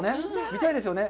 見たいですよね？